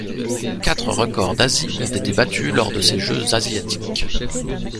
Quatre records d'Asie ont été battus lors de ces Jeux asiatiques.